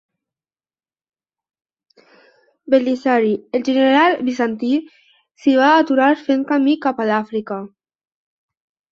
Belisari, el general bizantí, s'hi va aturar fent camí cap a l'Àfrica.